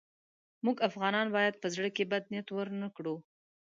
موږ افغانان باید په زړه کې بد نیت ورنه کړو.